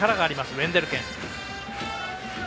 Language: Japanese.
ウェンデルケン。